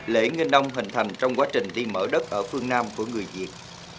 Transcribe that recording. lễ nghìn ông hình thành trong quá trình đi mở đất ở phương nam của người việt